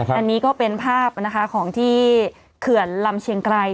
อันนี้ก็เป็นภาพนะคะของที่เขื่อนลำเชียงไกร